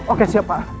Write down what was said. oke siap pak